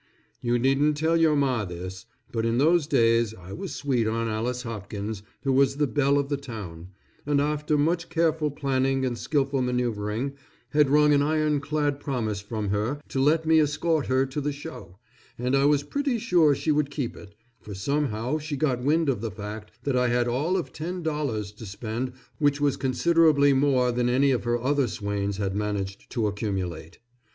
You needn't tell your Ma this, but in those days I was sweet on Alice Hopkins who was the belle of the town, and after much careful planning and skillful maneuvering had wrung an ironclad promise from her to let me escort her to the show, and I was pretty sure she would keep it, for somehow she got wind of the fact that I had all of $10 to spend which was considerably more than any of her other swains had managed to accumulate.